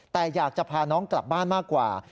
แต่อยากจะพาน้องกลับบ้านมากกว่า